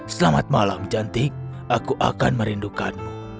selamat malam cantik aku akan merindukanmu